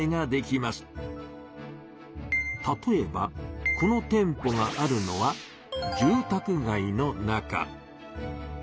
例えばこの店舗があるのは住宅街の中。